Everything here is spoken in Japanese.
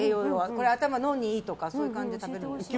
これは脳にいいとかそういう感じで食べるんですか？